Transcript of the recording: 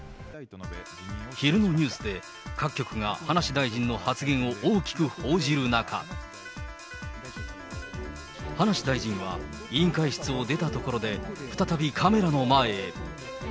昼のニュースで、各局が葉梨大臣の発言を大きく報じる中、葉梨大臣は委員会室を出た所で、再びカメラの前へ。